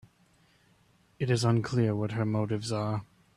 It is unclear what her motives are.